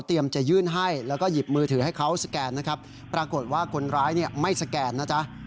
จะยื่นให้แล้วก็หยิบมือถือให้เขาสแกนนะครับปรากฏว่าคนร้ายเนี่ยไม่สแกนนะจ๊ะ